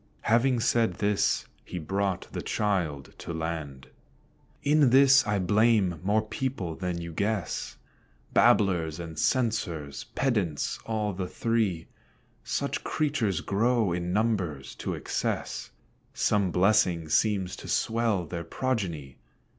Having said this, he brought the child to land. In this I blame more people than you guess Babblers and censors, pedants, all the three; Such creatures grow in numbers to excess, Some blessing seems to swell their progeny.